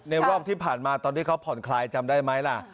รอบที่ผ่านมาตอนที่เขาผ่อนคลายจำได้ไหมล่ะ